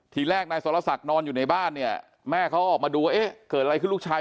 ทีแรกนายสรศักดิ์นอนอยู่ในบ้านแม่เขาออกมาดูเกิดอะไรขึ้นลูกชาย